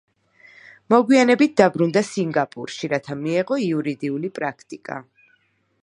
მოგვიანებით დაბრუნდა სინგაპურში, რათა მიეღო იურიდიული პრაქტიკა.